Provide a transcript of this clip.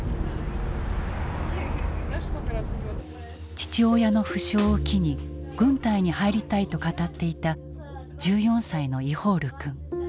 父親の負傷を機に軍隊に入りたいと語っていた１４歳のイホール君。